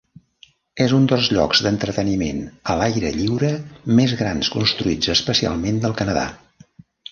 És un dels llocs d'entreteniment a l'aire lliure més grans construïts especialment del Canadà.